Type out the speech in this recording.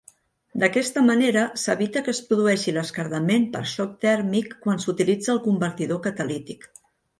D'aquesta manera s'evita que es produeixi l'esquerdament per xoc tèrmic quan s'utilitza el convertidor catalític.